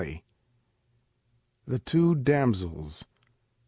THE TWO DAMSELS.